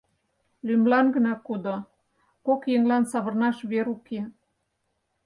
Лӱмлан гына кудо, кок еҥлан савырнаш вер уке.